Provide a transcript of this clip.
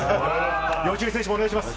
吉井選手もお願いします。